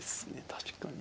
確かに。